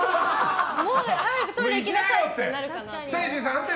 早くトイレ行きなさいってなるかなって。